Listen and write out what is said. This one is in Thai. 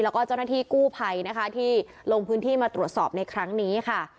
แล้วก็เจ้าหน้าที่กู้ภัยนะคะที่ลงพื้นที่มาตรวจสอบในครั้งนี้ค่ะ